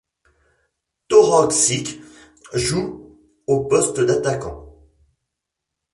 Törőcsik joue au poste d'attaquant.